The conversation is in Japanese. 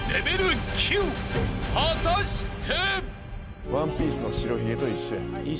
［果たして］